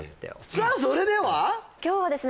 さあそれでは今日はですね